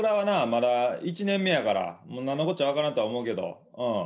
まだ１年目やから何のこっちゃ分からんとは思うけど。